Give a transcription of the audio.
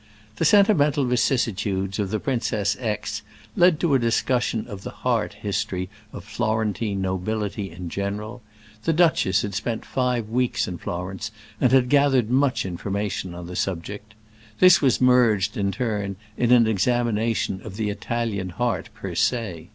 The sentimental vicissitudes of the Princess X—— led to a discussion of the heart history of Florentine nobility in general; the duchess had spent five weeks in Florence and had gathered much information on the subject. This was merged, in turn, in an examination of the Italian heart per se.